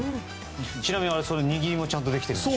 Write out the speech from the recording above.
ちなみにそれは握りもちゃんとなっていると。